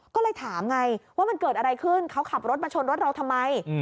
ก็เลยถามไงว่ามันเกิดอะไรขึ้นเขาขับรถมาชนรถเราทำไม